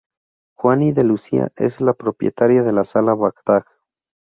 Juani de Lucía es la propietaria de la sala Bagdad.